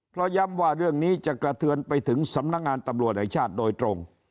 เพราะย้ำว่าเรื่องนี้จะกระเทือนไปถึงสำนักงานตำรวจแห่งชาติโดยตรง